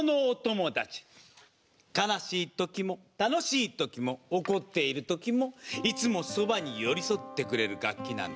悲しい時も楽しい時も怒っている時もいつもそばに寄り添ってくれる楽器なの。